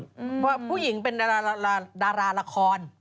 เพราะผู้หญิงเป็นดาราละคร